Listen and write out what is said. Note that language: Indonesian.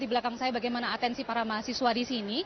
di belakang saya bagaimana atensi para mahasiswa disini